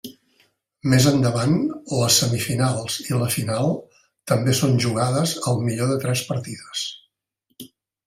Més endavant, les semifinals i la final també són jugades al millor de tres partides.